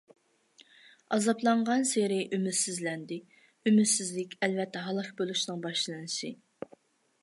ئازابلانغانسېرى ئۈمىدسىزلەندى. ئۈمىدسىزلىك ئەلۋەتتە ھالاك بولۇشنىڭ باشلىنىشى.